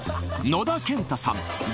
野田建太さん